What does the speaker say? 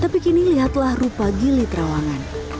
tapi kini lihatlah rupa gili terawangan